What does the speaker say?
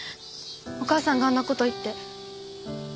お母さんがあんな事言って。